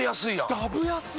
ダブ安っ！